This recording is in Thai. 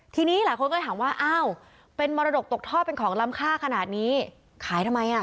ทีนี้หลายคนก็เลยถามว่าอ้าวเป็นมรดกตกท่อเป็นของล้ำค่าขนาดนี้ขายทำไมอ่ะ